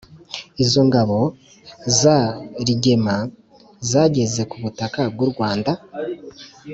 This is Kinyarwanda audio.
izo ngabo za rigema zageze ku butaka bw'u rwanda?